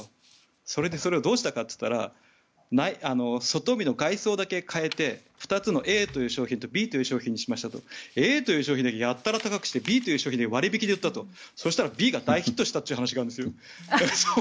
それでそれをどうしたかと言ったら外装だけ変えてＡという商品とＢという商品にしてＡの商品だけやたら高くしてＢという商品を割引で売ったらＢが大ヒットしたという話があるんです。